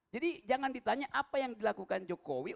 jadi jangan ditanya apa yang dilakukan jokowi